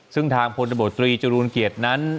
ซึ่งทางพลตบตรีจรูลเกียรตินั้น